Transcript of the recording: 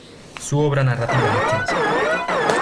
Su obra narrativa es extensa.